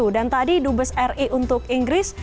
dan tadi dut besar ri untuk inggris